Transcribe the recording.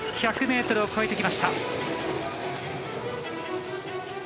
１００ｍを超えてきました。